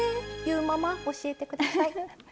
ゆーママ教えてください。